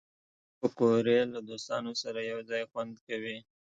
پکورې له دوستانو سره یو ځای خوند کوي